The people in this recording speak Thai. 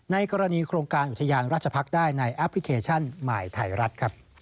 ในกรณีโครงการอุทยานราชพักษ์ได้ในแอปพลิเคชันหมายไทยรัฐ